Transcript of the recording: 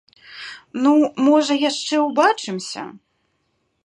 Ну, можа, яшчэ ўбачымся.